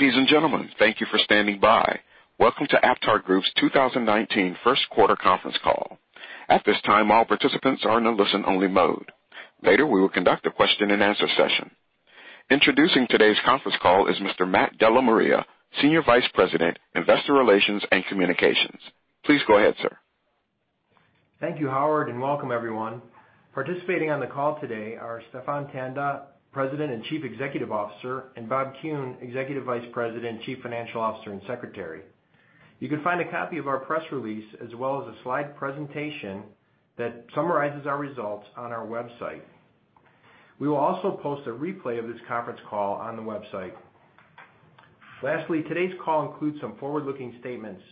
Ladies and gentlemen, thank you for standing by. Welcome to AptarGroup's 2019 first quarter conference call. At this time, all participants are in a listen-only mode. Later, we will conduct a question and answer session. Introducing today's conference call is Mr. Matt DellaMaria, Senior Vice President, Investor Relations and Communications. Please go ahead, sir. Thank you, Howard. Welcome everyone. Participating on the call today are Stephan Tanda, President and Chief Executive Officer. Robert Kuhn, Executive Vice President, Chief Financial Officer, and Secretary. You can find a copy of our press release as well as a slide presentation that summarizes our results on our website. We will also post a replay of this conference call on the website. Today's call includes some forward-looking statements.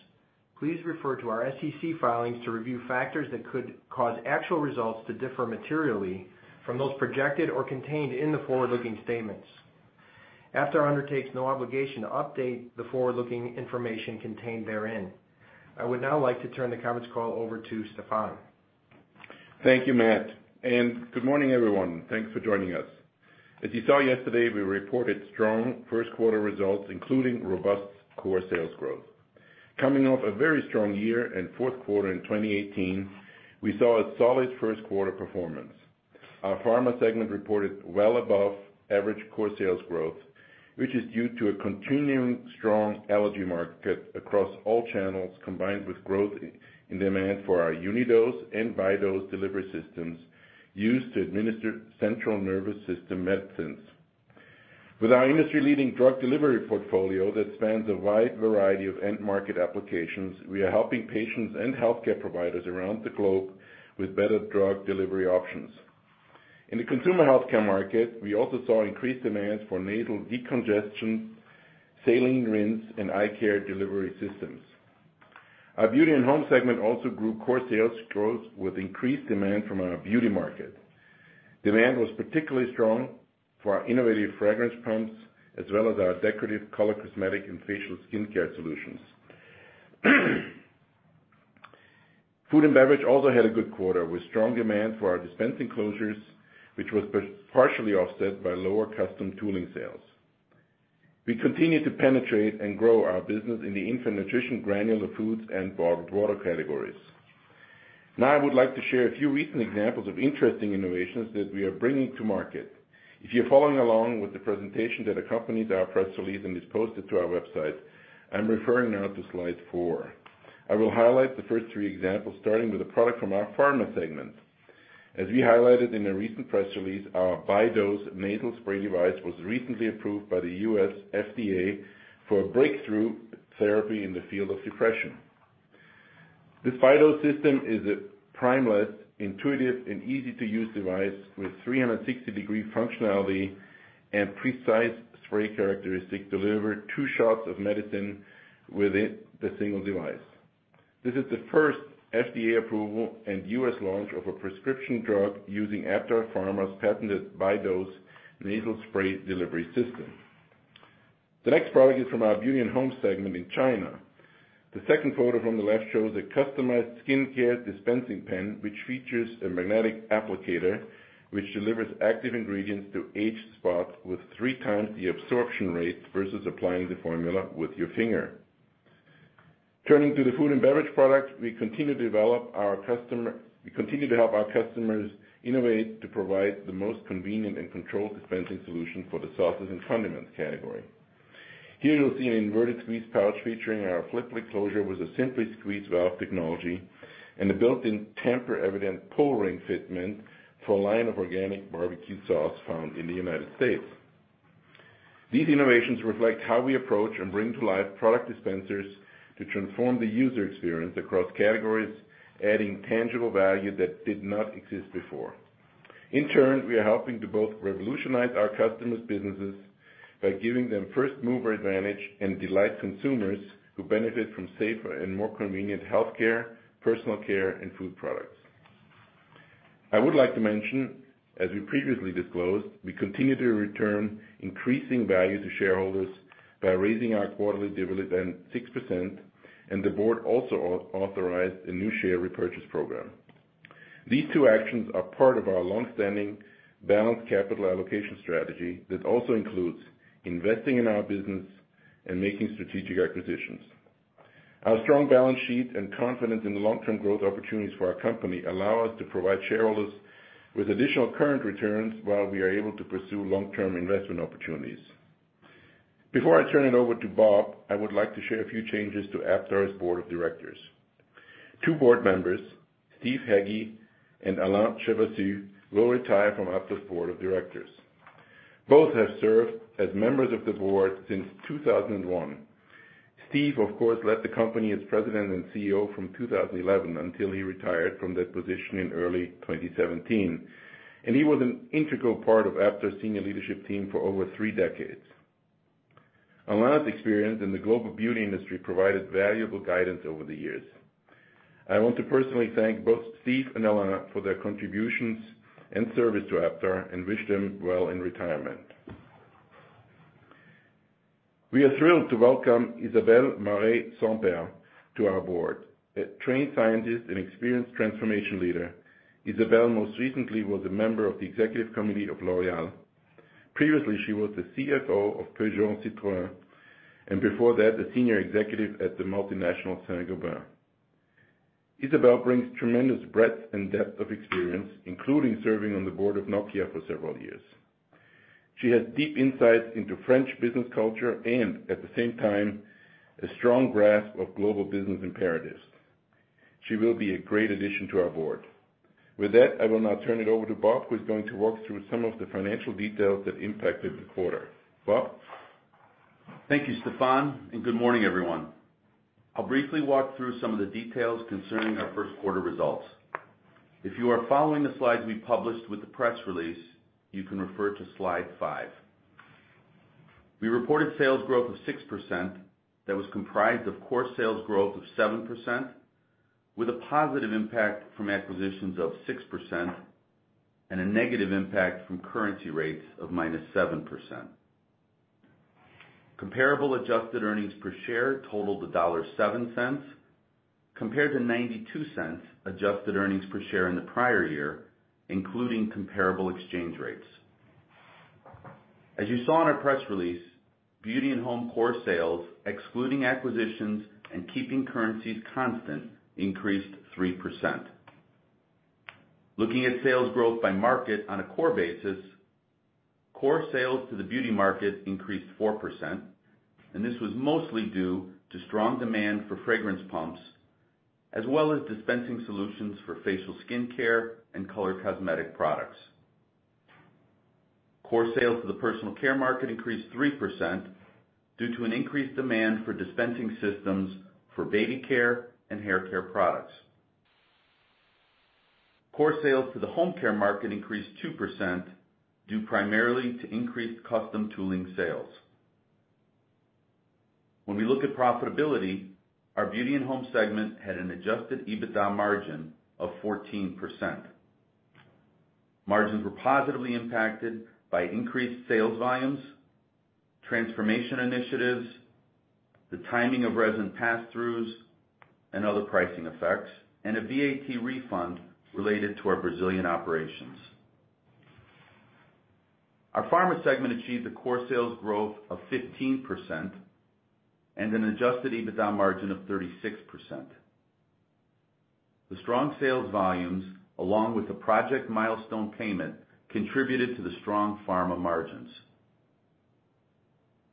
Please refer to our SEC filings to review factors that could cause actual results to differ materially from those projected or contained in the forward-looking statements. Aptar undertakes no obligation to update the forward-looking information contained therein. I would now like to turn the conference call over to Stephan. Thank you, Matt. Good morning, everyone. Thanks for joining us. As you saw yesterday, we reported strong first-quarter results, including robust core sales growth. Coming off a very strong year and fourth quarter in 2018, we saw a solid first-quarter performance. Our Pharma segment reported well above average core sales growth, which is due to a continuing strong allergy market across all channels, combined with growth in demand for our Unidose and Bidose delivery systems used to administer Central Nervous System medicines. With our industry-leading drug delivery portfolio that spans a wide variety of end market applications, we are helping patients and healthcare providers around the globe with better drug delivery options. In the consumer healthcare market, we also saw increased demands for nasal decongestion, saline rinse, and eye care delivery systems. Our Beauty and Home segment also grew core sales growth with increased demand from our beauty market. Demand was particularly strong for our innovative fragrance pumps as well as our decorative color cosmetic and facial skincare solutions. Food and Beverage also had a good quarter, with strong demand for our dispensing closures, which was partially offset by lower custom tooling sales. We continue to penetrate and grow our business in the infant nutrition, granular foods, and bottled water categories. I would like to share a few recent examples of interesting innovations that we are bringing to market. If you're following along with the presentation that accompanies our press release and is posted to our website, I'm referring now to slide four. I will highlight the first three examples, starting with a product from our Pharma segment. As we highlighted in a recent press release, our Bidose nasal spray device was recently approved by the U.S. FDA for a breakthrough therapy in the field of depression. This Bidose system is a primeless, intuitive, and easy-to-use device with 360-degree functionality and precise spray characteristic, deliver two shots of medicine within the single device. This is the first FDA approval and U.S. launch of a prescription drug using Aptar Pharma's patented Bidose nasal spray delivery system. The next product is from our beauty and home segment in China. The second photo from the left shows a customized skincare dispensing pen, which features a magnetic applicator, which delivers active ingredients to age spots with three times the absorption rate versus applying the formula with your finger. Turning to the food and beverage product, we continue to help our customers innovate to provide the most convenient and controlled dispensing solution for the sauces and condiments category. Here you'll see an inverted squeeze pouch featuring our Flip Lid closure with a Simply Squeeze Valve technology and a built-in tamper-evident pull ring fitment for a line of organic barbecue sauce found in the U.S. These innovations reflect how we approach and bring to life product dispensers to transform the user experience across categories, adding tangible value that did not exist before. In turn, we are helping to both revolutionize our customers' businesses by giving them first-mover advantage and delight consumers who benefit from safer and more convenient healthcare, personal care, and food products. I would like to mention, as we previously disclosed, we continue to return increasing value to shareholders by raising our quarterly dividend 6%, and the Board also authorized a new share repurchase program. These two actions are part of our longstanding balanced capital allocation strategy that also includes investing in our business and making strategic acquisitions. Our strong balance sheet and confidence in the long-term growth opportunities for our company allow us to provide shareholders with additional current returns while we are able to pursue long-term investment opportunities. Before I turn it over to Bob, I would like to share a few changes to Aptar's Board of Directors. Two Board members, Steve Hagge and Alain Chérital, will retire from Aptar's Board of Directors. Both have served as members of the Board since 2001. Steve, of course, led the company as President and CEO from 2011 until he retired from that position in early 2017, and he was an integral part of Aptar's senior leadership team for over three decades. Alain's experience in the global beauty industry provided valuable guidance over the years. I want to personally thank both Steve and Alain for their contributions and service to Aptar and wish them well in retirement. We are thrilled to welcome Isabel Marey-Semper to our Board. A trained scientist and experienced transformation leader, Isabel most recently was a member of the Executive Committee of L'Oréal. Previously, she was the CFO of Peugeot Citroën and before that, a senior executive at the multinational Saint-Gobain. Isabel brings tremendous breadth and depth of experience, including serving on the Board of Nokia for several years. She has deep insights into French business culture and at the same time, a strong grasp of global business imperatives. She will be a great addition to our Board. With that, I will now turn it over to Bob, who's going to walk through some of the financial details that impacted the quarter. Bob? Thank you, Stephan, and good morning, everyone. I'll briefly walk through some of the details concerning our first quarter results. If you are following the slides we published with the press release, you can refer to Slide five. We reported sales growth of 6% that was comprised of core sales growth of 7%, with a positive impact from acquisitions of 6% and a negative impact from currency rates of minus 7%. Comparable adjusted earnings per share totaled $1.07 compared to $0.92 adjusted earnings per share in the prior year, including comparable exchange rates. As you saw in our press release, Beauty and Home core sales, excluding acquisitions and keeping currencies constant, increased 3%. Looking at sales growth by market on a core basis, core sales to the Beauty market increased 4%. This was mostly due to strong demand for fragrance pumps, as well as dispensing solutions for facial skincare and color cosmetic products. Core sales to the Personal Care market increased 3% due to an increased demand for dispensing systems for baby care and haircare products. Core sales to the Home Care market increased 2%, due primarily to increased custom tooling sales. When we look at profitability, our Beauty and Home segment had an adjusted EBITDA margin of 14%. Margins were positively impacted by increased sales volumes, transformation initiatives, the timing of resin passthroughs, and other pricing effects, and a VAT refund related to our Brazilian operations. Our Pharma segment achieved a core sales growth of 15% and an adjusted EBITDA margin of 36%. The strong sales volumes, along with the project milestone payment, contributed to the strong Pharma margins.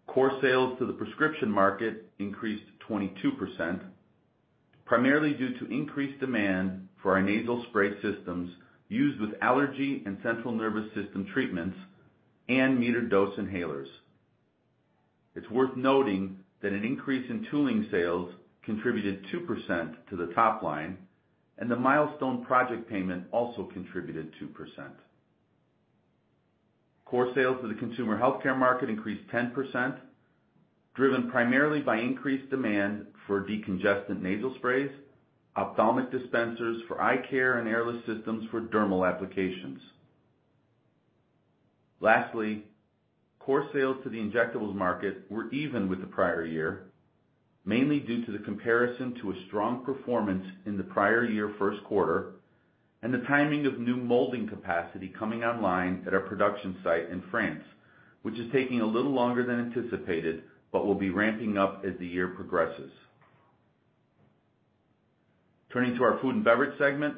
Core sales to the Prescription market increased 22%, primarily due to increased demand for our nasal spray systems used with allergy and central nervous system treatments and metered dose inhalers. It's worth noting that an increase in tooling sales contributed 2% to the top line, and the milestone project payment also contributed 2%. Core sales to the Consumer Healthcare market increased 10%, driven primarily by increased demand for decongestant nasal sprays, ophthalmic dispensers for eye care, and airless systems for dermal applications. Lastly, core sales to the Injectables market were even with the prior year, mainly due to the comparison to a strong performance in the prior year first quarter, and the timing of new molding capacity coming online at our production site in France, which is taking a little longer than anticipated but will be ramping up as the year progresses. Turning to our Food and Beverage segment,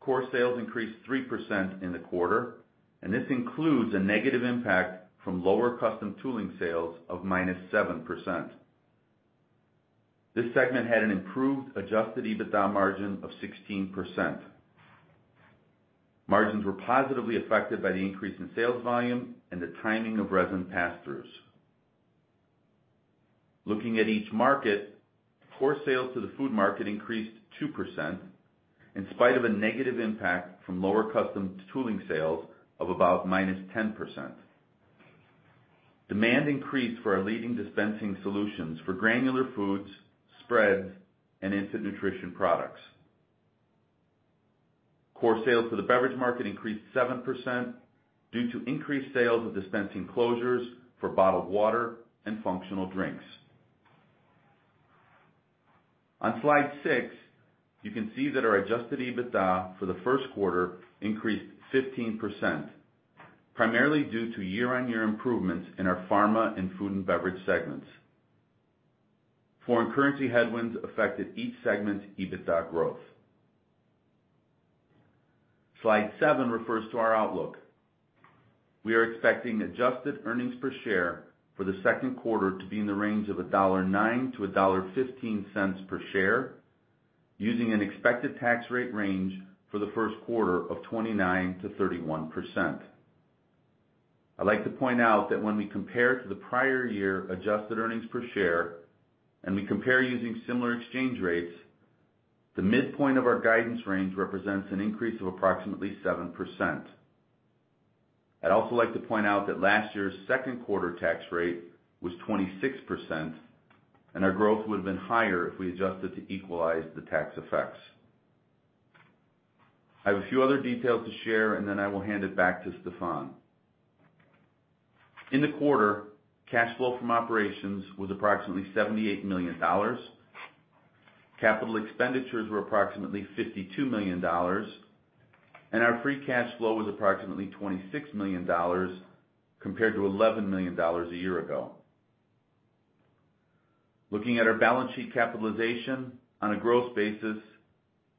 core sales increased 3% in the quarter. This includes a negative impact from lower custom tooling sales of minus 7%. This segment had an improved adjusted EBITDA margin of 16%. Margins were positively affected by the increase in sales volume and the timing of resin passthroughs. Looking at each market, core sales to the Food market increased 2% in spite of a negative impact from lower custom tooling sales of about minus 10%. Demand increased for our leading dispensing solutions for granular foods, spreads, and infant nutrition products. Core sales to the beverage market increased 7% due to increased sales of dispensing closures for bottled water and functional drinks. On Slide six, you can see that our adjusted EBITDA for the first quarter increased 15%, primarily due to year-on-year improvements in our Pharma and food and beverage segments. Foreign currency headwinds affected each segment's EBITDA growth. Slide seven refers to our outlook. We are expecting adjusted earnings per share for the second quarter to be in the range of $1.09-$1.15 per share, using an expected tax rate range for the first quarter of 29%-31%. I'd like to point out that when we compare to the prior year adjusted earnings per share, and we compare using similar exchange rates, the midpoint of our guidance range represents an increase of approximately 7%. I'd also like to point out that last year's second quarter tax rate was 26%, and our growth would have been higher if we adjusted to equalize the tax effects. I have a few other details to share and then I will hand it back to Stephan. In the quarter, cash flow from operations was approximately $78 million. Capital expenditures were approximately $52 million, and our free cash flow was approximately $26 million compared to $11 million a year ago. Looking at our balance sheet capitalization on a gross basis,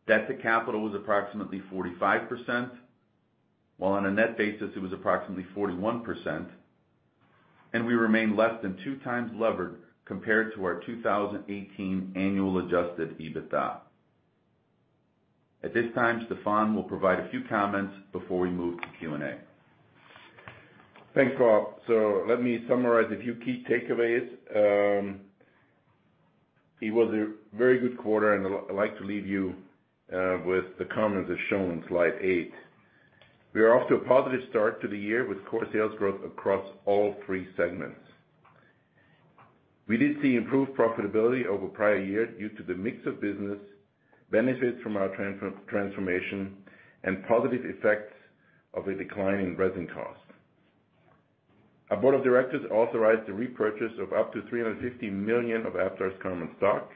debt to capital was approximately 45%, while on a net basis it was approximately 41%, and we remain less than two times levered compared to our 2018 annual adjusted EBITDA. At this time, Stephan will provide a few comments before we move to Q&A. Thanks, Bob. Let me summarize a few key takeaways. It was a very good quarter, and I'd like to leave you with the comments as shown, Slide eight. We are off to a positive start to the year with core sales growth across all three segments. We did see improved profitability over prior years due to the mix of business, benefits from our transformation, and positive effects of a decline in resin costs. Our board of directors authorized the repurchase of up to $350 million of Aptar's common stock,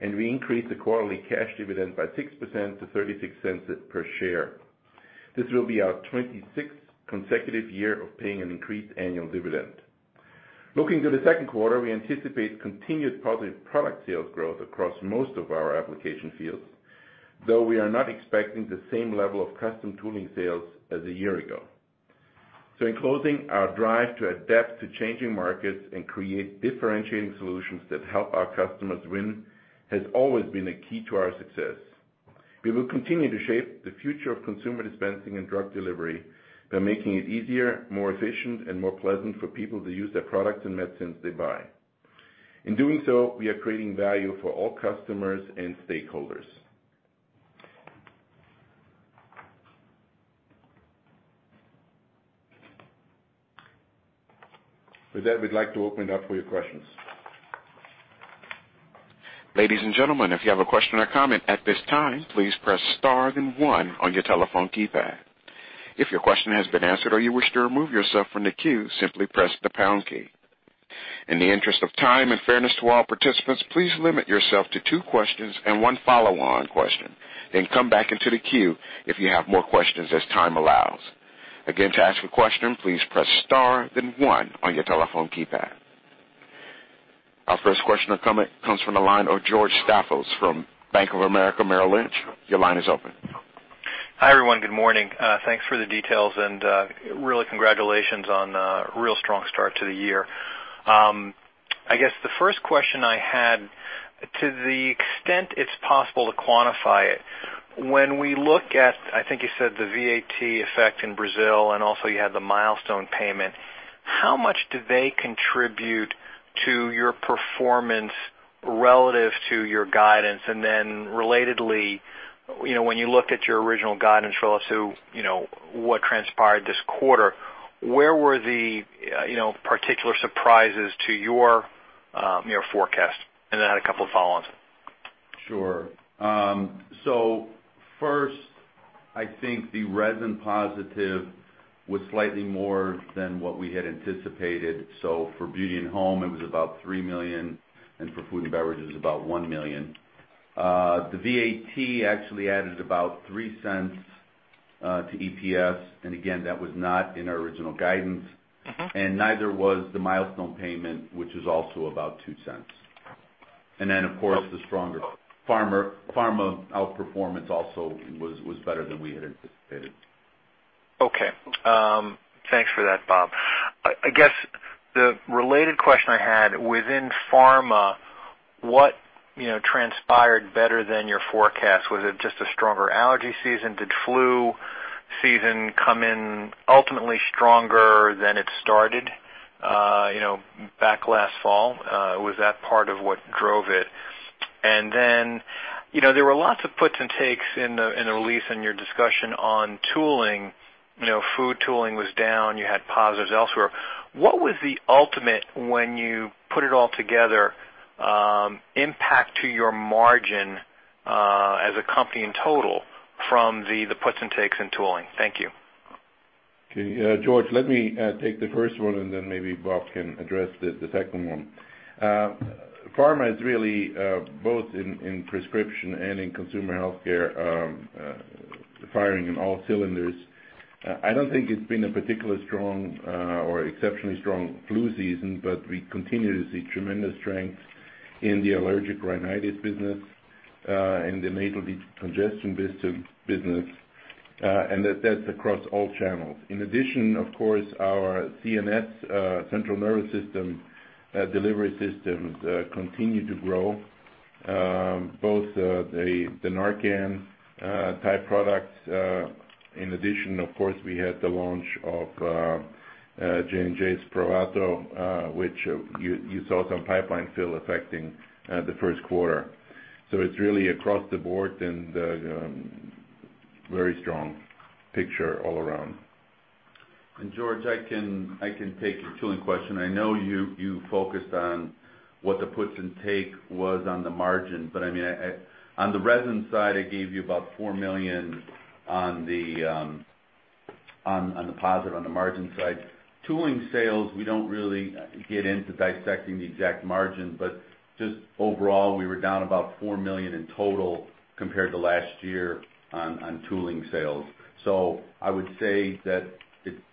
and we increased the quarterly cash dividend by 6% to $0.36 per share. This will be our 26th consecutive year of paying an increased annual dividend. Looking to the second quarter, we anticipate continued positive product sales growth across most of our application fields, though we are not expecting the same level of custom tooling sales as a year ago. In closing, our drive to adapt to changing markets and create differentiating solutions that help our customers win has always been a key to our success. We will continue to shape the future of consumer dispensing and drug delivery by making it easier, more efficient, and more pleasant for people to use the products and medicines they buy. In doing so, we are creating value for all customers and stakeholders. With that, we'd like to open it up for your questions. Ladies and gentlemen, if you have a question or comment at this time, please press star then one on your telephone keypad. If your question has been answered or you wish to remove yourself from the queue, simply press the pound key. In the interest of time and fairness to all participants, please limit yourself to two questions and one follow-on question, then come back into the queue if you have more questions as time allows. Again, to ask a question, please press star then one on your telephone keypad. Our first question or comment comes from the line of George Staphos from Bank of America Merrill Lynch. Your line is open. Hi, everyone. Good morning. Thanks for the details, and really congratulations on a real strong start to the year. I guess the first question I had, to the extent it's possible to quantify it, when we look at, I think you said the VAT effect in Brazil, and also you had the milestone payment, how much do they contribute to your performance relative to your guidance? Then relatedly, when you looked at your original guidance relative what transpired this quarter, where were the particular surprises to your forecast? Then I had a couple of follow-ons. Sure. First, I think the resin positive was slightly more than what we had anticipated. For beauty and home, it was about $3 million, and for food and beverage, it was about $1 million. The VAT actually added about $0.03 to EPS. Again, that was not in our original guidance. Neither was the milestone payment, which is also about $0.02. Of course, the stronger pharma outperformance also was better than we had anticipated. Okay. Thanks for that, Bob. I guess the related question I had, within pharma, what transpired better than your forecast? Was it just a stronger allergy season? Did flu season come in ultimately stronger than it started back last fall? Was that part of what drove it? There were lots of puts and takes in the release in your discussion on tooling. Food tooling was down, you had positives elsewhere. What was the ultimate, when you put it all together, impact to your margin as a company in total from the puts and takes in tooling? Thank you. Okay. George, let me take the first one, and then maybe Bob can address the second one. Pharma is really, both in prescription and in consumer healthcare, firing on all cylinders. I don't think it's been a particularly strong or exceptionally strong flu season, but we continue to see tremendous strength in the allergic rhinitis business, in the nasal decongestion business, and that's across all channels. In addition, of course, our CNS, central nervous system, delivery systems continue to grow, both the NARCAN-type products. In addition, of course, we had the launch of Johnson & Johnson's SPRAVATO which you saw some pipeline fill affecting the first quarter. It's really across the board and very strong picture all around. George, I can take the tooling question. I know you focused on what the puts and take was on the margin, but on the resin side, I gave you about $4 million on the positive on the margin side. Tooling sales, we don't really get into dissecting the exact margin, but just overall, we were down about $4 million in total compared to last year on tooling sales. I would say that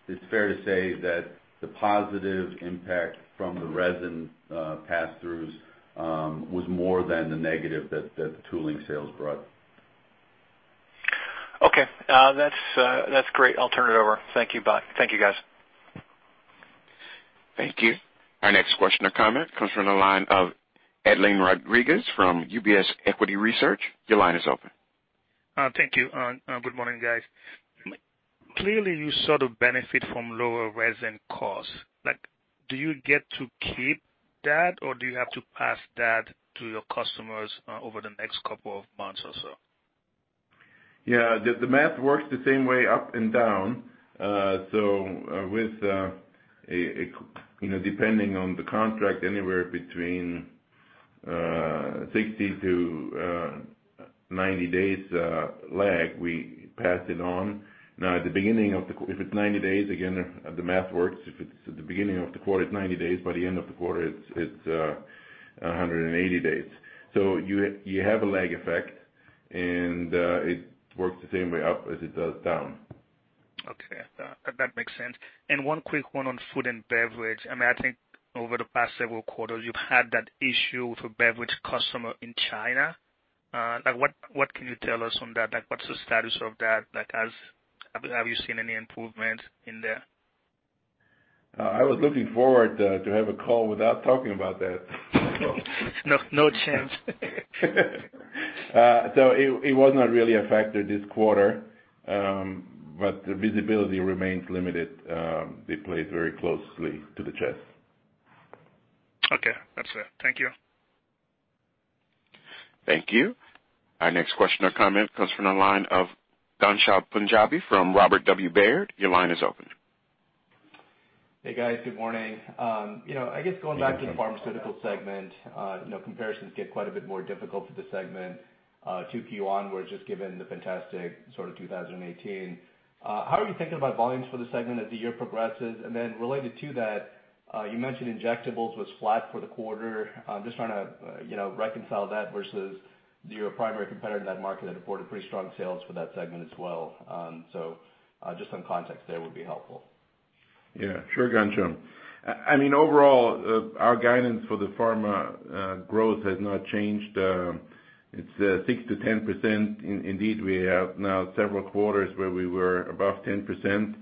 it's fair to say that the positive impact from the resin pass-throughs was more than the negative that the tooling sales brought. Okay. That's great. I'll turn it over. Thank you, Bob. Thank you, guys. Thank you. Our next question or comment comes from the line of Adeline Rodriguez from UBS Investment Research. Your line is open. Thank you. Good morning, guys. Clearly, you sort of benefit from lower resin costs. Do you get to keep that, or do you have to pass that to your customers over the next couple of months or so? Yeah. The math works the same way up and down. With, depending on the contract, anywhere between 60-90 days lag, we pass it on. If it's 90 days, again, the math works. If it's at the beginning of the quarter, it's 90 days. By the end of the quarter, it's 180 days. You have a lag effect, and it works the same way up as it does down. Okay. That makes sense. One quick one on food and beverage. I think over the past several quarters, you've had that issue with a beverage customer in China. What can you tell us on that? What's the status of that? Have you seen any improvement in there? I was looking forward to have a call without talking about that. No chance. It was not really a factor this quarter, but the visibility remains limited. They play it very closely to the chest. Okay. That's it. Thank you. Thank you. Our next question or comment comes from the line of Ghansham Panjabi from Robert W. Baird. Your line is open. Hey, guys. Good morning. I guess going back to the pharmaceutical segment, comparisons get quite a bit more difficult for the segment Q1 onwards, just given the fantastic sort of 2018. How are you thinking about volumes for the segment as the year progresses? Related to that, you mentioned injectables was flat for the quarter. I'm just trying to reconcile that versus your primary competitor in that market had reported pretty strong sales for that segment as well. Just some context there would be helpful. Yeah. Sure, Ghansham. Overall, our guidance for the pharma growth has not changed. It's 6%-10%. Indeed, we have now several quarters where we were above 10%.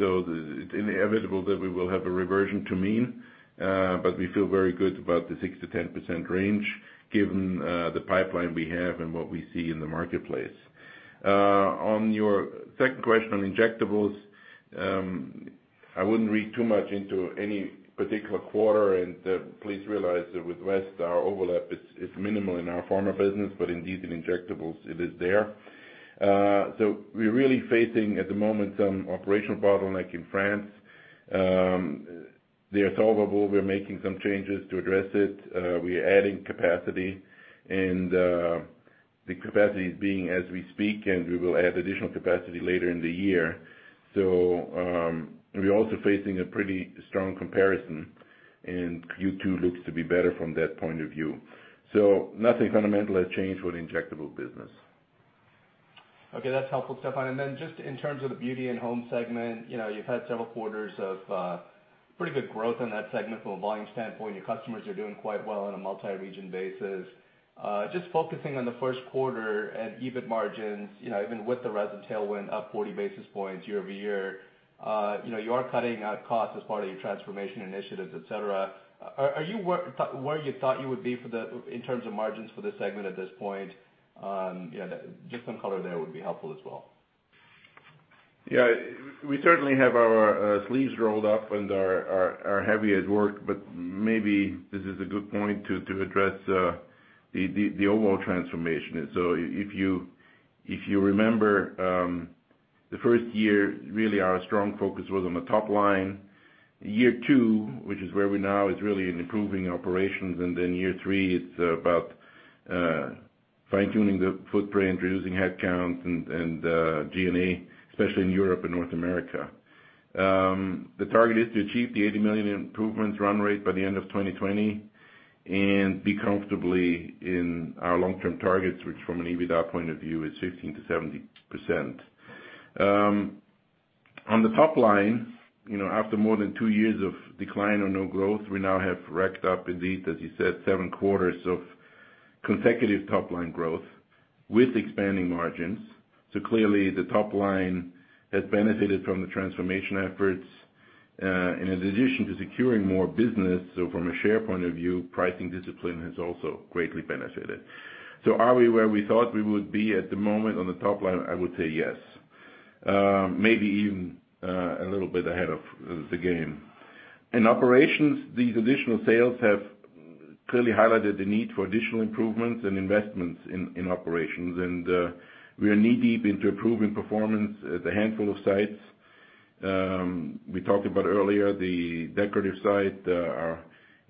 It's inevitable that we will have a reversion to mean, but we feel very good about the 6%-10% range given the pipeline we have and what we see in the marketplace. On your second question on injectables, I wouldn't read too much into any particular quarter. Please realize that with West, our overlap is minimal in our pharma business, but indeed in injectables it is there. We are really facing, at the moment, some operational bottleneck in France. They are solvable. We are making some changes to address it. We are adding capacity, and the capacity is being as we speak, and we will add additional capacity later in the year. We are also facing a pretty strong comparison, Q2 looks to be better from that point of view. Nothing fundamental has changed with injectable business. Okay, that's helpful, Stephan. Just in terms of the Beauty and Home segment, you've had several quarters of pretty good growth in that segment from a volume standpoint. Your customers are doing quite well on a multi-region basis. Just focusing on the first quarter and EBIT margins, even with the resin tailwind up 40 basis points year-over-year, you are cutting costs as part of your transformation initiatives, et cetera. Are you where you thought you would be in terms of margins for this segment at this point? Just some color there would be helpful as well. Yeah. We certainly have our sleeves rolled up and are heavy at work, maybe this is a good point to address the overall transformation. If you remember, the first year, really our strong focus was on the top line. Year 2, which is where we are now, is really in improving operations. Year 3, it's about fine-tuning the footprint, reducing headcounts and G&A, especially in Europe and North America. The target is to achieve the $80 million improvements run rate by the end of 2020 and be comfortably in our long-term targets, which from an EBITDA point of view is 15%-17%. On the top line, after more than 2 years of decline or no growth, we now have racked up indeed, as you said, 7 quarters of consecutive top-line growth with expanding margins. Clearly the top line has benefited from the transformation efforts. In addition to securing more business, from a share point of view, pricing discipline has also greatly benefited. Are we where we thought we would be at the moment on the top line? I would say yes. Maybe even a little bit ahead of the game. In operations, these additional sales have clearly highlighted the need for additional improvements and investments in operations. We are knee-deep into improving performance at a handful of sites. We talked about earlier the decorative site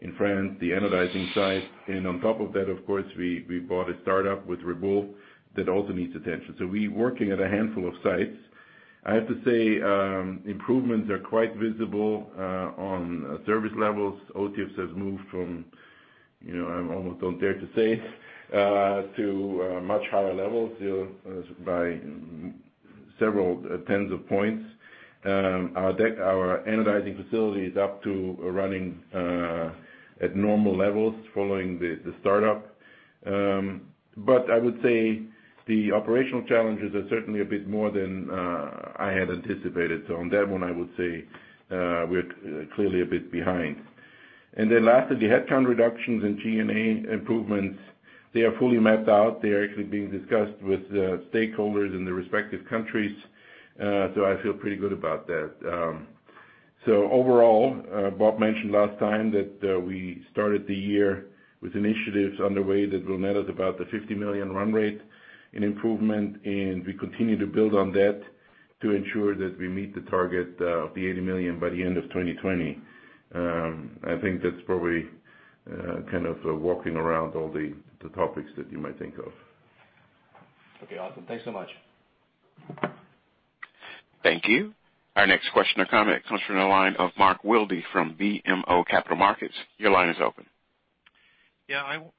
in France, the anodizing site. On top of that, of course, we bought a startup with Reboul that also needs attention. We working at a handful of sites. I have to say improvements are quite visible on service levels. OTIF has moved from, I almost don't dare to say, to much higher levels by several tens of points. Our anodizing facility is up to running at normal levels following the startup. I would say the operational challenges are certainly a bit more than I had anticipated. On that one, I would say we're clearly a bit behind. Lastly, the headcount reductions and G&A improvements, they are fully mapped out. They are actually being discussed with stakeholders in the respective countries. I feel pretty good about that. Overall, Bob mentioned last time that we started the year with initiatives underway that will net us about the $50 million run rate in improvement, and we continue to build on that to ensure that we meet the target of the $80 million by the end of 2020. I think that's probably kind of walking around all the topics that you might think of. Okay, awesome. Thanks so much. Thank you. Our next question or comment comes from the line of Mark Wilde from BMO Capital Markets. Your line is open.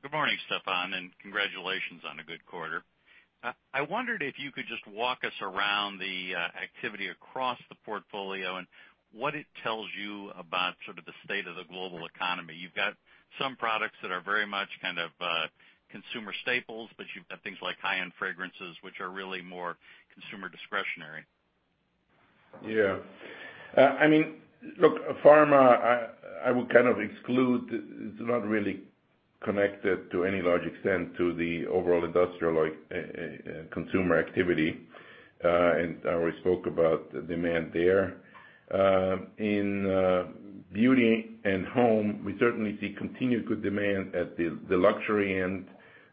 Good morning, Stephan, and congratulations on a good quarter. I wondered if you could just walk us around the activity across the portfolio and what it tells you about sort of the state of the global economy. You've got some products that are very much kind of consumer staples, but you've got things like high-end fragrances, which are really more consumer discretionary. Yeah. Look, pharma, I would kind of exclude. It is not really connected to any large extent to the overall industrial consumer activity. I already spoke about the demand there. In beauty and home, we certainly see continued good demand at the luxury end,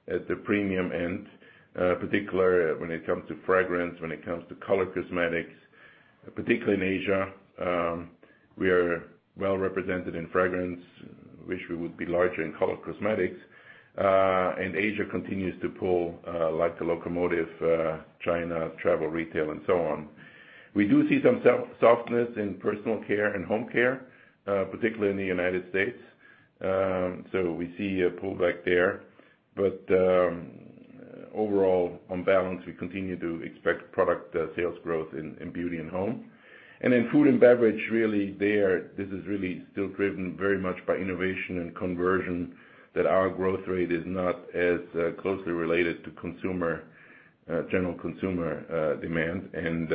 at the premium end, particularly when it comes to fragrance, when it comes to color cosmetics, particularly in Asia. We are well-represented in fragrance. Wish we would be larger in color cosmetics. Asia continues to pull like a locomotive, China travel retail and so on. We do see some softness in personal care and home care, particularly in the U.S. We see a pullback there. Overall, on balance, we continue to expect product sales growth in beauty and home. In food and beverage, there, this is still driven very much by innovation and conversion that our growth rate is not as closely related to general consumer demand.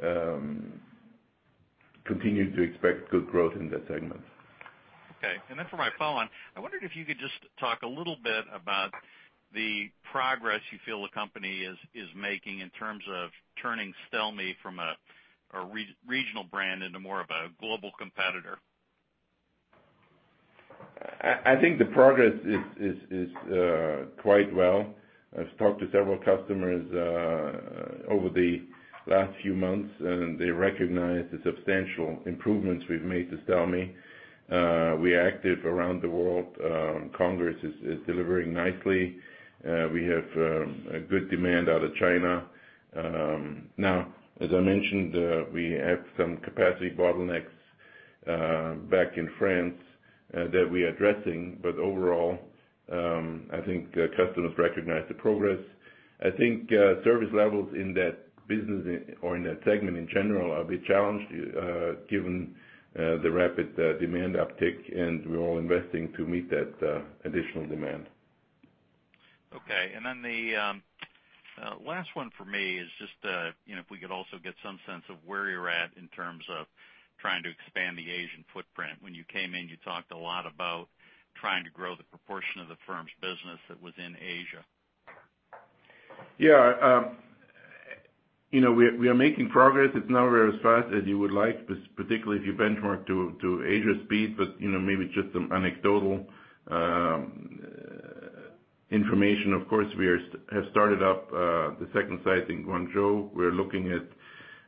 We continue to expect good growth in that segment. Okay. For my follow-on, I wondered if you could just talk a little bit about the progress you feel the company is making in terms of turning Stelmi from a regional brand into more of a global competitor. I think the progress is quite good. I've talked to several customers over the last few months. They recognize the substantial improvements we've made to Stelmi. We are active around the world. Congers is delivering nicely. We have a good demand out of China. As I mentioned, we have some capacity bottlenecks back in France that we are addressing. Overall, I think customers recognize the progress. I think service levels in that business or in that segment in general are a bit challenged given the rapid demand uptick. We're all investing to meet that additional demand. Okay. The last one for me is just if we could also get some sense of where you're at in terms of trying to expand the Asian footprint. When you came in, you talked a lot about trying to grow the proportion of the firm's business that was in Asia. Yeah. We are making progress. It's not very as fast as you would like, particularly if you benchmark to Asia's speed, but maybe just some anecdotal information. Of course, we have started up the second site in Guangzhou. We're looking at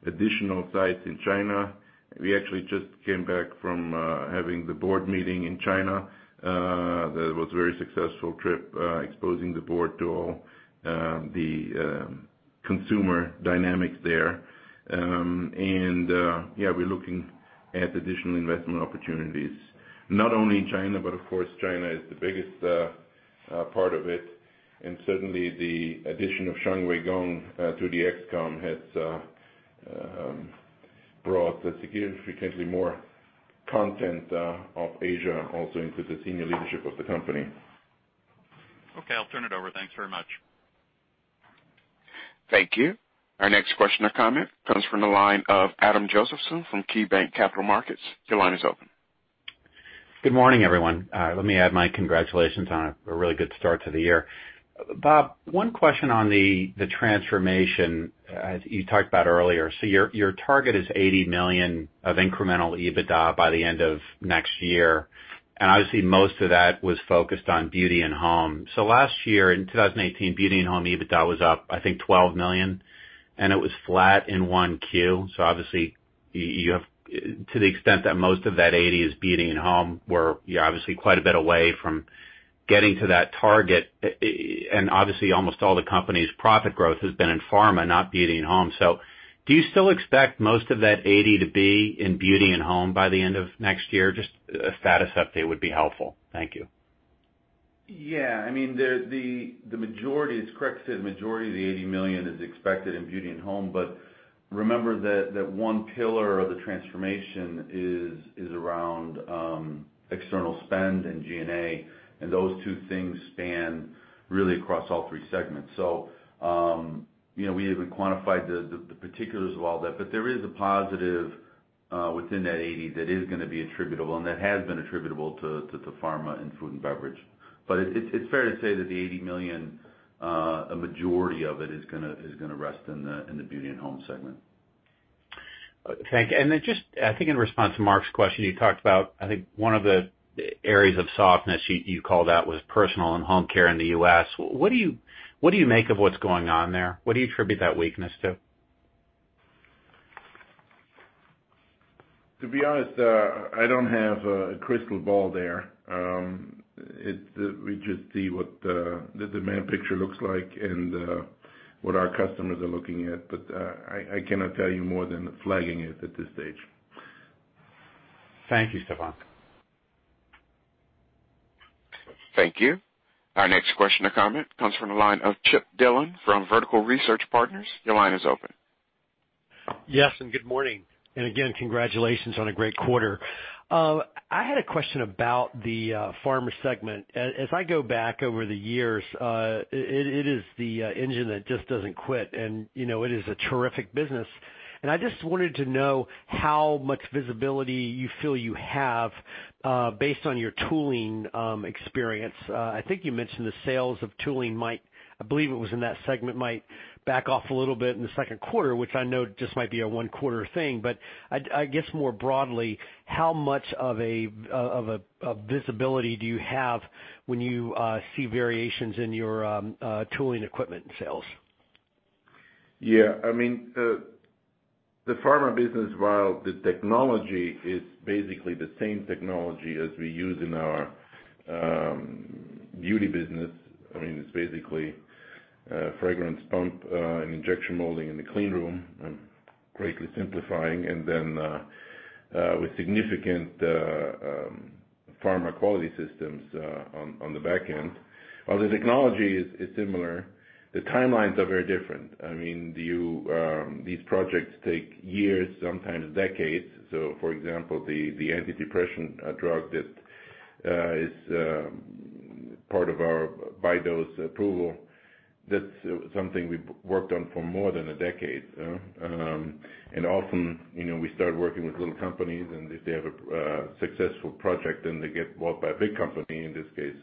additional sites in China. We actually just came back from having the board meeting in China. That was a very successful trip exposing the board to all the consumer dynamics there. Yeah, we're looking at additional investment opportunities, not only in China, but of course, China is the biggest part of it. Certainly, the addition of Xiangwei Gong to the ex-com has brought significantly more content of Asia also into the senior leadership of the company. Okay. I'll turn it over. Thanks very much. Thank you. Our next question or comment comes from the line of Adam Josephson from KeyBanc Capital Markets. Your line is open. Good morning, everyone. Let me add my congratulations on a really good start to the year. Bob, one question on the transformation as you talked about earlier. Your target is $80 million of incremental EBITDA by the end of next year, and obviously, most of that was focused on beauty and home. Last year in 2018, beauty and home EBITDA was up, I think $12 million, and it was flat in Q1. Obviously, to the extent that most of that $80 is beauty and home, where you're obviously quite a bit away from getting to that target. Obviously, almost all the company's profit growth has been in Aptar Pharma, not beauty and home. Do you still expect most of that $80 to be in beauty and home by the end of next year? Just a status update would be helpful. Thank you. Yeah. It's correct to say the majority of the $80 million is expected in beauty and home. Remember that one pillar of the transformation is around external spend and G&A, and those two things span really across all three segments. We haven't quantified the particulars of all that, but there is a positive within that $80 that is going to be attributable, and that has been attributable to Aptar Pharma and food and beverage. It's fair to say that the $80 million, a majority of it is going to rest in the beauty and home segment. Thank you. I think in response to Mark's question, you talked about, I think one of the areas of softness you called out was personal and home care in the U.S. What do you make of what's going on there? What do you attribute that weakness to? To be honest, I don't have a crystal ball there. We just see what the demand picture looks like and what our customers are looking at. I cannot tell you more than flagging it at this stage. Thank you, Stephan. Thank you. Our next question or comment comes from the line of Chip Dillon from Vertical Research Partners. Your line is open. Yes, good morning. Again, congratulations on a great quarter. I had a question about the pharma segment. As I go back over the years, it is the engine that just doesn't quit, and it is a terrific business. I just wanted to know how much visibility you feel you have, based on your tooling experience. I think you mentioned the sales of tooling might, I believe it was in that segment, might back off a little bit in the second quarter, which I know just might be a one-quarter thing. I guess more broadly, how much of a visibility do you have when you see variations in your tooling equipment sales? The pharma business, while the technology is basically the same technology as we use in our beauty business. It's basically a fragrance pump, an injection molding in a clean room. I'm greatly simplifying. Then, with significant pharma quality systems on the back end. While the technology is similar, the timelines are very different. These projects take years, sometimes decades. For example, the anti-depression drug that is part of our Bidose approval, that's something we've worked on for more than a decade. Often, we start working with little companies, and if they have a successful project, then they get bought by a big company, in this case,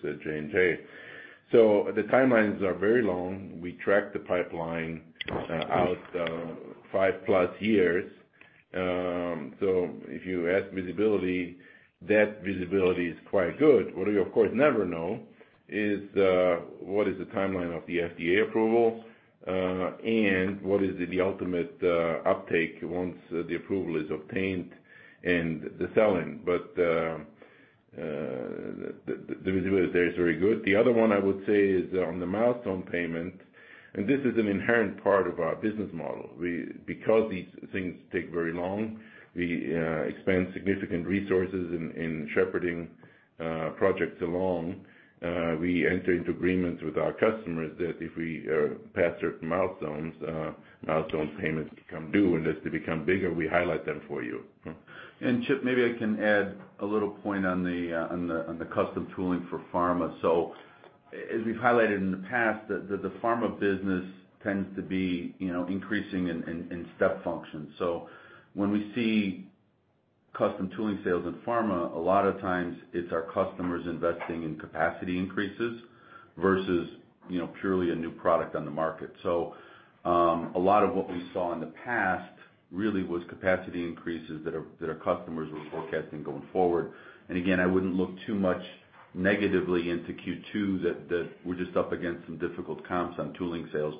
J&J. The timelines are very long. We track the pipeline out five-plus years. If you ask visibility, that visibility is quite good. What we of course never know is what is the timeline of the FDA approval, and what is the ultimate uptake once the approval is obtained and the sell-in. The visibility there is very good. The other one I would say is on the milestone payment. This is an inherent part of our business model. These things take very long, we expend significant resources in shepherding projects along. We enter into agreements with our customers that if we pass certain milestones, milestone payments become due. As they become bigger, we highlight them for you. Chip, maybe I can add a little point on the custom tooling for pharma. As we've highlighted in the past, the pharma business tends to be increasing in step functions. When we see custom tooling sales in pharma, a lot of times it's our customers investing in capacity increases versus purely a new product on the market. A lot of what we saw in the past really was capacity increases that our customers were forecasting going forward. Again, I wouldn't look too much negatively into Q2, that we're just up against some difficult comps on tooling sales.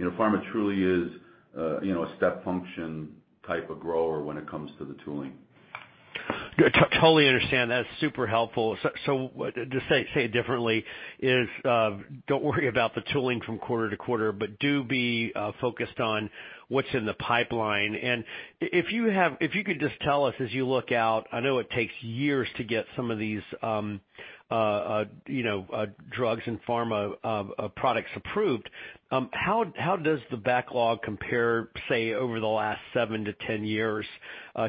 Pharma truly is a step function type of grower when it comes to the tooling. Totally understand. That's super helpful. To say it differently, is don't worry about the tooling from quarter to quarter, but do be focused on what's in the pipeline. If you could just tell us as you look out, I know it takes years to get some of these drugs and pharma products approved. How does the backlog compare, say, over the last 7-10 years?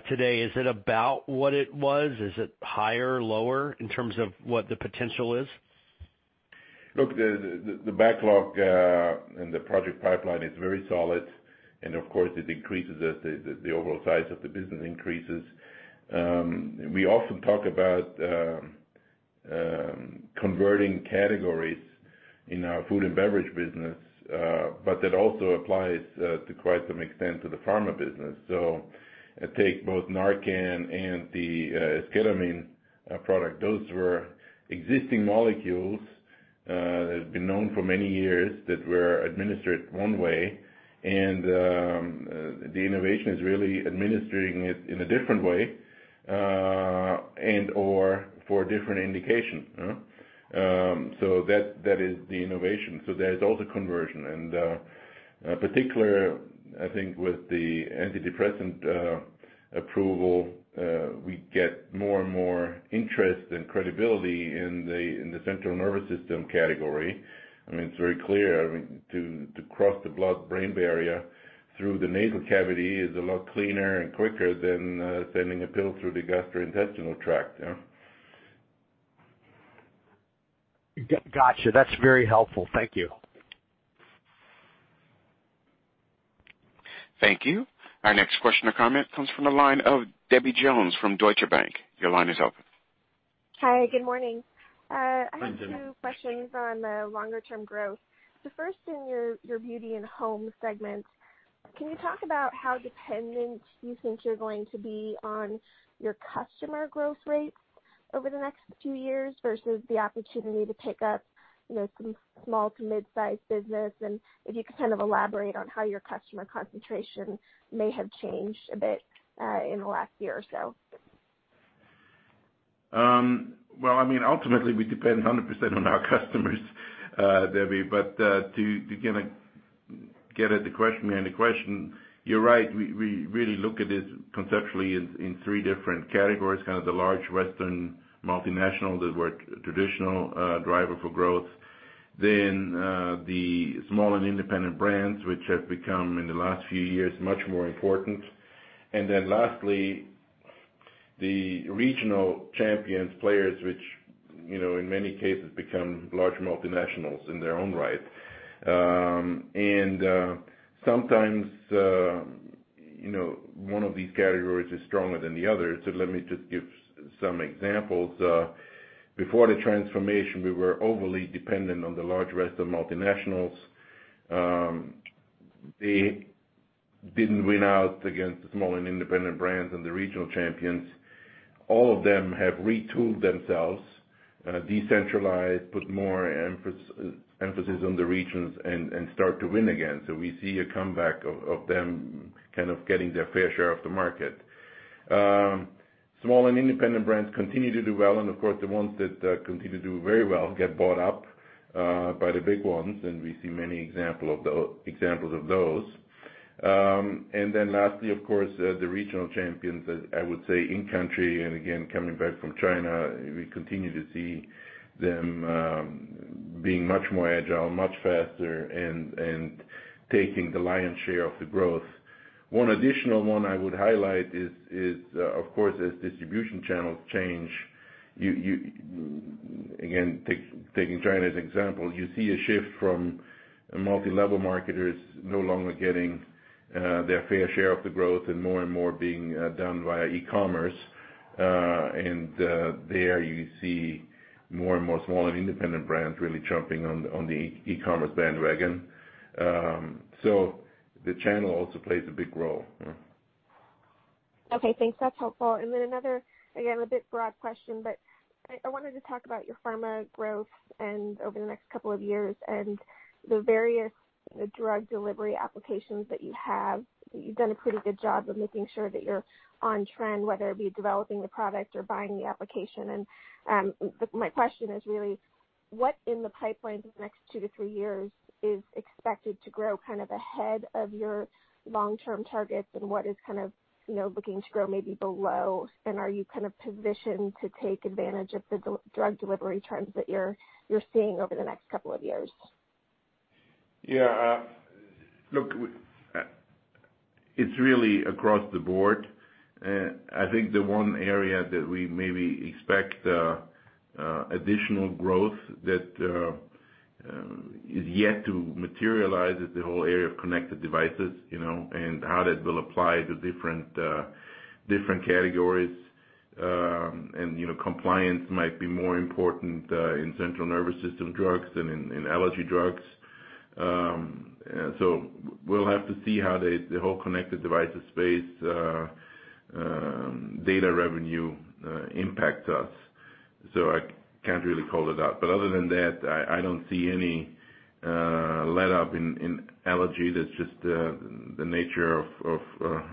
Today, is it about what it was? Is it higher or lower in terms of what the potential is? Look, the backlog and the project pipeline is very solid, and of course it increases as the overall size of the business increases. We often talk about converting categories in our food and beverage business, but that also applies to quite some extent to the pharma business. Take both NARCAN and the ketamine product. Those were existing molecules that have been known for many years that were administered one way. The innovation is really administering it in a different way, and/or for a different indication. That is the innovation. There is also conversion. In particular, I think with the antidepressant approval, we get more and more interest and credibility in the central nervous system category. It's very clear, to cross the blood-brain barrier through the nasal cavity is a lot cleaner and quicker than sending a pill through the gastrointestinal tract. Got you. That's very helpful. Thank you. Thank you. Our next question or comment comes from the line of Debbie Jones from Deutsche Bank. Your line is open. Hi, good morning. Hi, Debbie. I have two questions on the longer-term growth. First, in your beauty and home segment, can you talk about how dependent you think you're going to be on your customer growth rates over the next two years versus the opportunity to pick up some small- to mid-size business? And if you could elaborate on how your customer concentration may have changed a bit in the last year or so. Ultimately, we depend 100% on our customers, Debbie. To get at the meat of the question, you're right. We really look at it conceptually in 3 different categories. The large Western multinationals that were traditional driver for growth, the small and independent brands, which have become, in the last few years, much more important. Lastly, the regional champions players, which in many cases become large multinationals in their own right. Sometimes one of these categories is stronger than the other. Let me just give some examples. Before the transformation, we were overly dependent on the large Western multinationals. They didn't win out against the small and independent brands and the regional champions. All of them have retooled themselves, decentralized, put more emphasis on the regions, and start to win again. We see a comeback of them getting their fair share of the market. Small and independent brands continue to do well, of course, the ones that continue to do very well get bought up by the big ones, and we see many examples of those. Lastly, of course, the regional champions, I would say in country, again, coming back from China, we continue to see them being much more agile, much faster, and taking the lion's share of the growth. One additional one I would highlight is, of course, as distribution channels change, again, taking China as an example, you see a shift from multilevel marketers no longer getting their fair share of the growth and more and more being done via e-commerce. There you see more and more small and independent brands really jumping on the e-commerce bandwagon. The channel also plays a big role. Okay, thanks. That's helpful. Another, again, a bit broad question, but I wanted to talk about your Pharma growth over the next couple of years and the various drug delivery applications that you have. You've done a pretty good job of making sure that you're on trend, whether it be developing the product or buying the application. My question is really what in the pipeline for the next 2 to 3 years is expected to grow ahead of your long-term targets, and what is looking to grow maybe below? Are you positioned to take advantage of the drug delivery trends that you're seeing over the next couple of years? Yeah. Look, it's really across the board. I think the one area that we maybe expect additional growth that is yet to materialize is the whole area of connected devices, and how that will apply to different categories. Compliance might be more important in central nervous system drugs than in allergy drugs. We'll have to see how the whole connected devices space data revenue impacts us. I can't really call it out. Other than that, I don't see any letup in allergy that's just the nature of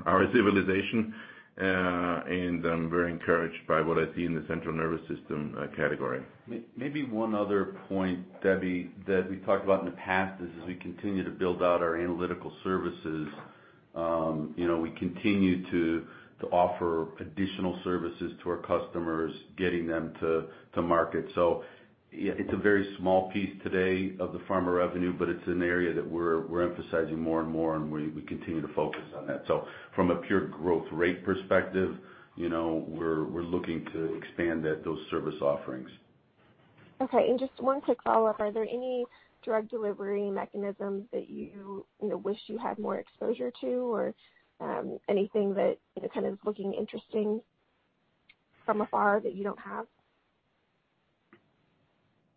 our civilization. I'm very encouraged by what I see in the central nervous system category. Maybe one other point, Debbie, that we talked about in the past is as we continue to build out our analytical services, we continue to offer additional services to our customers, getting them to market. It's a very small piece today of the Pharma revenue, but it's an area that we're emphasizing more and more, and we continue to focus on that. From a pure growth rate perspective, we're looking to expand those service offerings. Okay, just one quick follow-up. Are there any drug delivery mechanisms that you wish you had more exposure to or anything that is looking interesting from afar that you don't have?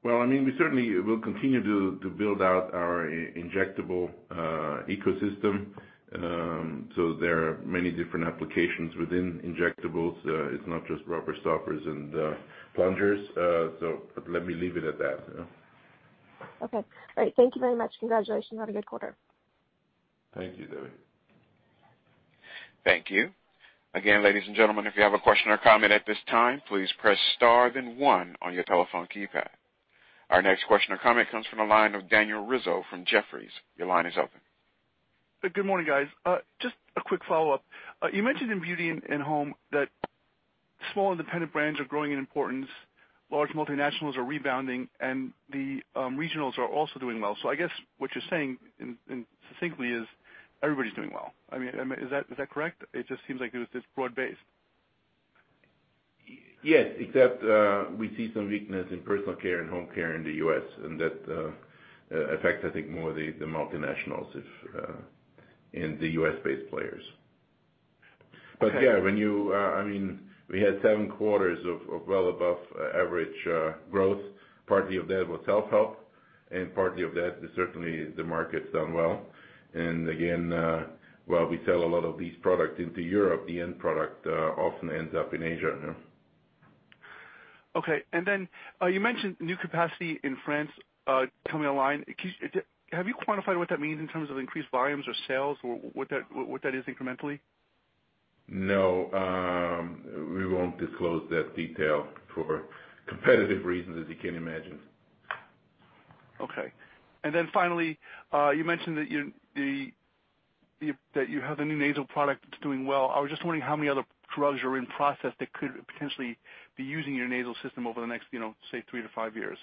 Well, we certainly will continue to build out our injectable ecosystem. There are many different applications within injectables. It's not just rubber stoppers and plungers. Let me leave it at that. Okay. All right. Thank you very much. Congratulations on a good quarter. Thank you, Debbie. Thank you. Again, ladies and gentlemen, if you have a question or comment at this time, please press star then one on your telephone keypad. Our next question or comment comes from the line of Daniel Rizzo from Jefferies. Your line is open. Good morning, guys. Just a quick follow-up. You mentioned in beauty and home that small independent brands are growing in importance, large multinationals are rebounding, and the regionals are also doing well. I guess what you're saying succinctly is everybody's doing well. Is that correct? It just seems like it was this broad base. Yes, except we see some weakness in personal care and home care in the U.S. and that affects, I think, more the multinationals and the U.S.-based players. Yeah, we had seven quarters of well above average growth. Part of that was health help, and part of that is certainly the market's done well. Again, while we sell a lot of these products into Europe, the end product often ends up in Asia. Okay. You mentioned new capacity in France coming online. Have you quantified what that means in terms of increased volumes or sales, or what that is incrementally? No. We won't disclose that detail for competitive reasons, as you can imagine. Okay. Finally, you mentioned that you have the new nasal product that's doing well. I was just wondering how many other drugs are in process that could potentially be using your nasal system over the next, say, three to five years.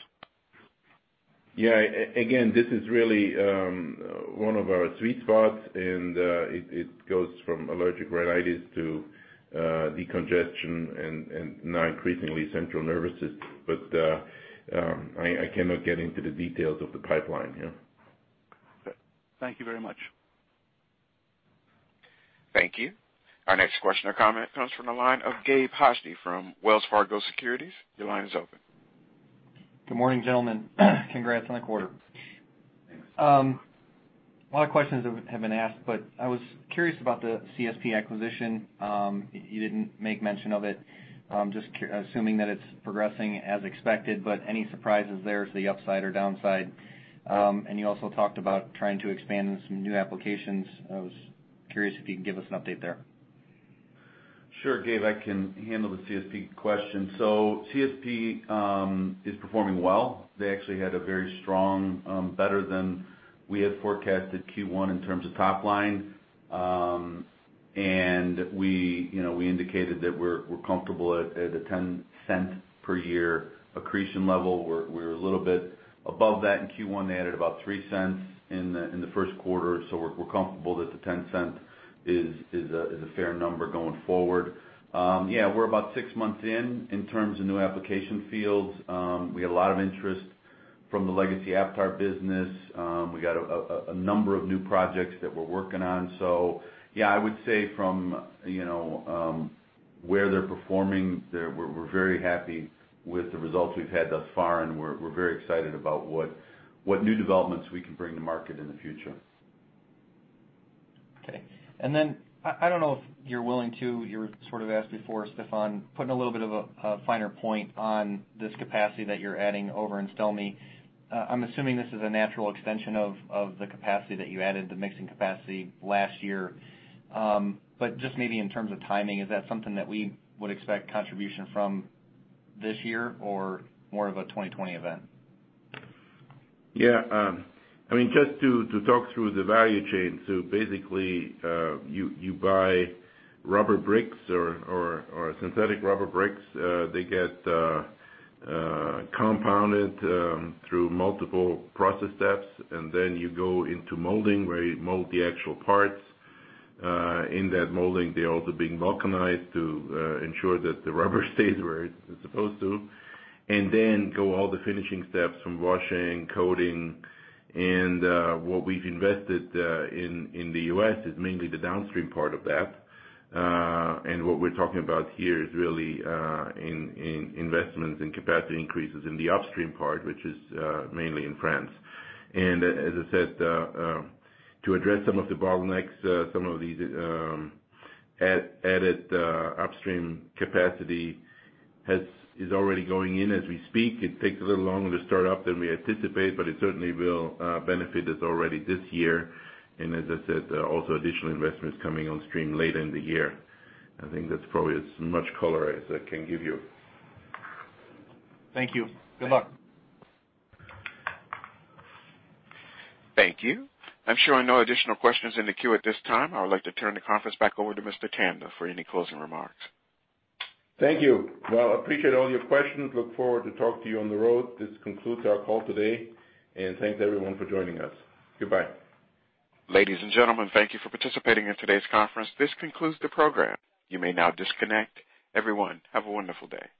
Yeah. Again, this is really one of our sweet spots, and it goes from allergic rhinitis to decongestion and now increasingly, central nervous system. I cannot get into the details of the pipeline. Thank you very much. Thank you. Our next question or comment comes from the line of Gabe Hajde from Wells Fargo Securities. Your line is open. Good morning, gentlemen. Congrats on the quarter. Thanks. A lot of questions have been asked. I was curious about the CSP acquisition. You didn't make mention of it. Just assuming that it's progressing as expected, any surprises there to the upside or downside? You also talked about trying to expand into some new applications. I was curious if you could give us an update there. Sure, Gabe, I can handle the CSP question. CSP is performing well. They actually had a very strong, better than we had forecasted Q1 in terms of top line. We indicated that we're comfortable at a $0.10 per year accretion level. We're a little bit above that in Q1. They added about $0.03 in the first quarter. We're comfortable that the $0.10 is a fair number going forward. Yeah, we're about 6 months in terms of new application fields. We had a lot of interest from the legacy Aptar business. We got a number of new projects that we're working on. Yeah, I would say from where they're performing, we're very happy with the results we've had thus far, and we're very excited about what new developments we can bring to market in the future. Okay. I don't know if you're willing to, you were sort of asked before, Stephan, putting a little bit of a finer point on this capacity that you're adding over in Stelmi. I'm assuming this is a natural extension of the capacity that you added, the mixing capacity last year. Just maybe in terms of timing, is that something that we would expect contribution from this year or more of a 2020 event? Just to talk through the value chain. Basically, you buy rubber bricks or synthetic rubber bricks. They get compounded through multiple process steps. You go into molding, where you mold the actual parts. In that molding, they're also being vulcanized to ensure that the rubber stays where it's supposed to. Go all the finishing steps, from washing, coating. What we've invested in the U.S. is mainly the downstream part of that. What we're talking about here is really in investments, in capacity increases in the upstream part, which is mainly in France. As I said, to address some of the bottlenecks, some of these added upstream capacity is already going in as we speak. It takes a little longer to start up than we anticipate. It certainly will benefit us already this year. As I said, also additional investments coming on stream later in the year. I think that's probably as much color as I can give you. Thank you. Good luck. Thank you. I'm showing no additional questions in the queue at this time. I would like to turn the conference back over to Mr. Tanda for any closing remarks. Thank you. Well, I appreciate all your questions. Look forward to talking to you on the road. This concludes our call today, thanks everyone for joining us. Goodbye. Ladies and gentlemen, thank you for participating in today's conference. This concludes the program. You may now disconnect. Everyone, have a wonderful day.